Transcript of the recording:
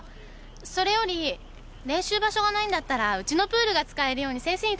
それより練習場所がないんだったらウチのプールが使えるように先生に頼んでみようか？